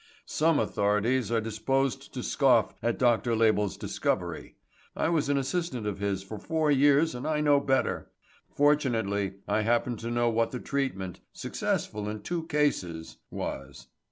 Some authorities are disposed to scoff at Dr. Label's discovery. I was an assistant of his for four years and I know better. Fortunately I happen to know what the treatment successful in two cases was."